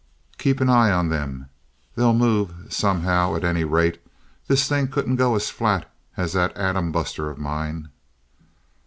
"Keep an eye on them. They'll move somehow, at any rate. This thing couldn't go as flat as that atom buster of mine."